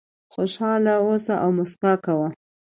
خوشاله اوسه او موسکا کوه .